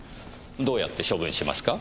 どうやって処分しますか？